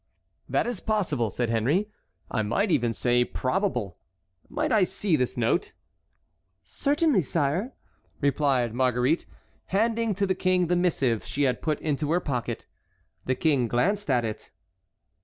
"That is possible," said Henry; "I might even say probable. Might I see this note?" "Certainly, sire," replied Marguerite, handing to the king the missive she had put into her pocket. The king glanced at it.